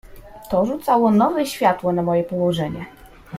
"To rzucało nowe światło na moje położenie."